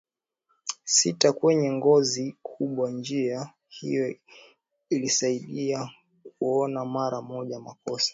sita kwenye ngozi kubwa Njia hiyo ilisaidia kuona mara moja makosa